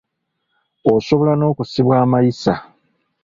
Osobola n’okusibwa amayisa.